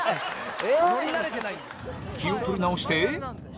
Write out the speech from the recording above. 気を取り直して。